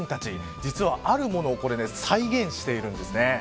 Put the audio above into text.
実は、あるものを再現しているんですね。